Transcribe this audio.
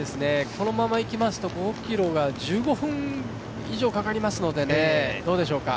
このままいきますと５ｋｍが１５分以上かかりますので、どうでしょうか。